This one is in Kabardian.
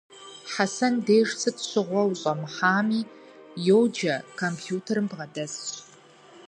Хьэсэн деж сыт щыгъуэ ущӀэмыхьэми, йоджэ, компьютерым бгъэдэсщ.